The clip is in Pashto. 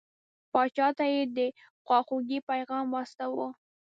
پاچا ته یې د خواخوږی پیغام واستاوه.